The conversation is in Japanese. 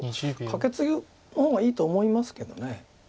カケツグ方がいいと思いますけど。